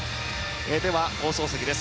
では放送席です。